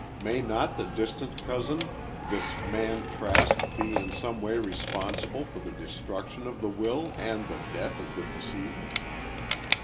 May not the distant cousin, this man Trask be in some way responsible for the destruction of the will and the death of the decedent?"